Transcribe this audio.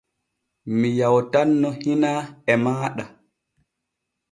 Mi yawtanno hinaa e maaɗa.